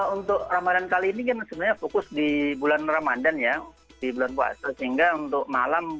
untuk ramadan kali ini sebenarnya fokus di bulan ramadan ya di bulan puasa sehingga untuk malam